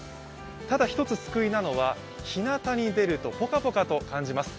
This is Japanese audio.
ただ１つ救いなのは、日なたに出るとポカポカと感じます。